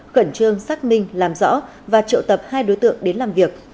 khẩn trương xác minh làm rõ và triệu tập hai đối tượng đến làm việc